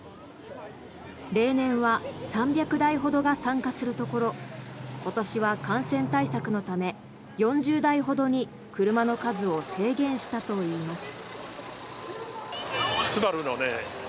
例年は３００台ほどが参加するところ今年は感染対策のため４０台ほどに車の数を制限したといいます。